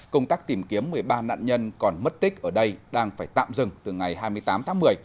công tác tìm kiếm một mươi ba nạn nhân còn mất tích ở đây đang phải tạm dừng từ ngày hai mươi tám tháng một mươi